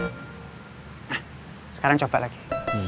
nah sekarang coba lagi